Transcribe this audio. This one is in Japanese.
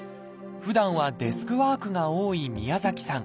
ふだんはデスクワークが多い宮崎さん。